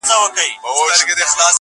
نیم پر تخت د شاه جهان نیم قلندر دی!!